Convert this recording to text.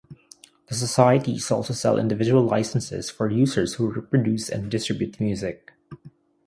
The societies also sell individual licenses for users who reproduce and distribute music.